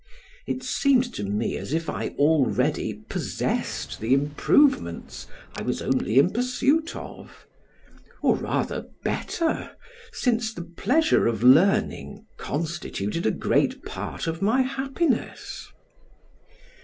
It seemed to me as if I already possessed the improvements I was only in pursuit of: or rather better, since the pleasure of learning constituted a great part of my happiness.